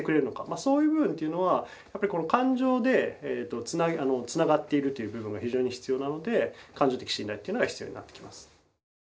そういう部分というのはやっぱりこの感情でつながっているという部分が非常に必要なので感情的信頼というのは必要になってきます。